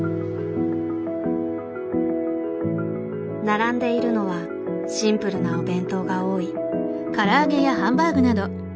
並んでいるのはシンプルなお弁当が多い。